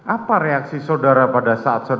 apa reaksi saudara pada saat